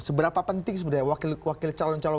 seberapa penting sebenarnya wakil calon calon